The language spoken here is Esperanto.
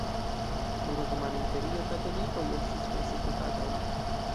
En Otomana Imperio katolikoj estis persekutataj.